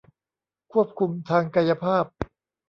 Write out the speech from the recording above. ควบคุมทางกายภาพ